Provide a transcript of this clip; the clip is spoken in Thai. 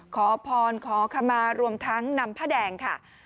ขอพรขอขมารวมทั้งนำผ้าแดงค่ะ